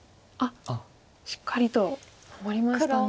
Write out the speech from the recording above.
しっかりと守りましたね。